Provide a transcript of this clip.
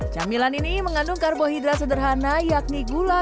camilan ini mengandung karbohidrat sederhana yakni gula